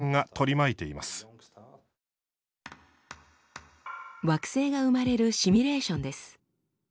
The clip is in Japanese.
惑星が生まれるシミュレーションです。